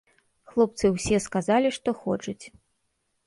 Хлопцы ўсе сказалі, што хочуць.